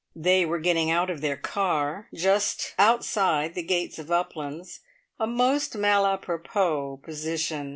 They were getting out of their car just outside the gates of Uplands a most malapropos position!